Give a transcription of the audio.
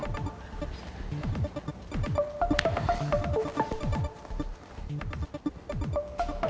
kita akan cancel